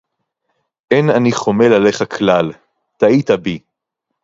אין אני חומל עלייך כלל. טעית בי.